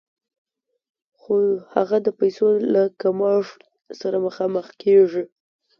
خو هغه د پیسو له کمښت سره مخامخ کېږي